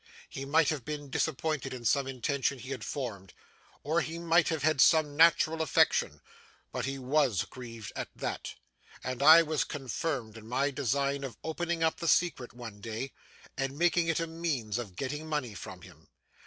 He might have been disappointed in some intention he had formed, or he might have had some natural affection, but he WAS grieved at THAT, and I was confirmed in my design of opening up the secret one day, and making it a means of getting money from him.